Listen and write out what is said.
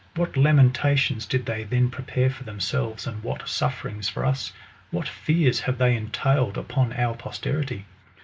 What lamentations did they then prepare for themselves, and what sufferings for us ! what fears have they entailed upon our posterity